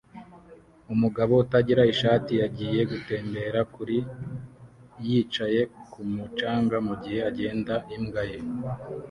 Umugabo utagira ishati yagiye gutembera kuri yicaye kumu canga mugihe agenda imbwa ye